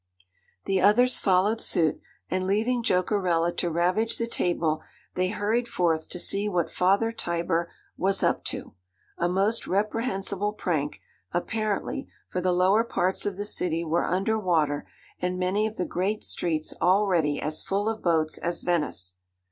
The others followed suit, and leaving Jokerella to ravage the table, they hurried forth to see what Father Tiber was up to. A most reprehensible prank, apparently, for the lower parts of the city were under water, and many of the great streets already as full of boats as Venice.